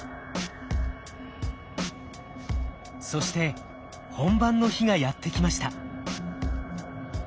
そして本番の日がやってきました。